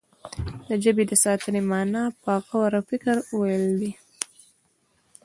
د ژبې د ساتنې معنا په غور او فکر ويل دي.